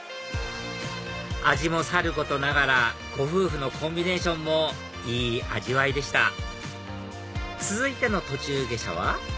味もさることながらご夫婦のコンビネーションもいい味わいでした続いての途中下車は？